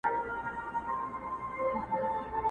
o له خپلي برخي تېښته نسته، د بل د برخي وېش نسته.